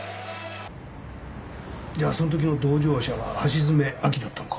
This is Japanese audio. じゃあその時の同乗者は橋爪亜希だったのか。